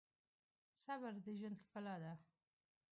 صبر د ژوند ښکلا ده.